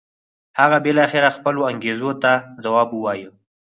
هغه بالاخره خپلو انګېزو ته ځواب و وایه.